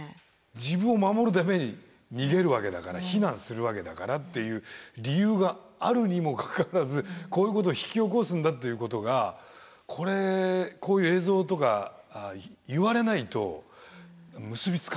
自分を守るために逃げるわけだから避難するわけだからっていう理由があるにもかかわらずこういうことを引き起こすんだっていうことがこれこういう映像とか言われないと結び付かないですねやっぱりね。